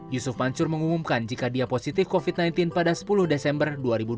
yusuf mansur mengumumkan jika dia positif covid sembilan belas pada sepuluh desember dua ribu dua puluh